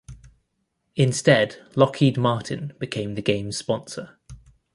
Instead, Lockheed Martin became the game's sponsor.